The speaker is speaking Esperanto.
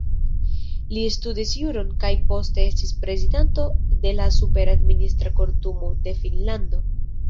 Li studis juron kaj poste estis prezidanto de la Supera Administra Kortumo de Finnlando.